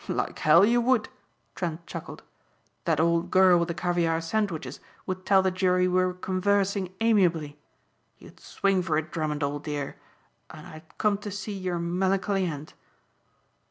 "Like hell you would," Trent chuckled, "that old girl with the caviare sandwiches would tell the jury we were conversing amiably. You'd swing for it, Drummond, old dear, and I'd come to see your melancholy end."